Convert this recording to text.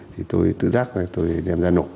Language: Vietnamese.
thì tôi tự dắt rồi tôi đem ra nộp